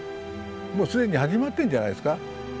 もう既に始まってんじゃないですか。